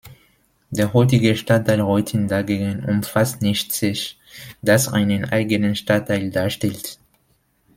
Der heutige Stadtteil Reutin dagegen umfasst nicht Zech, das einen eigenen Stadtteil darstellt.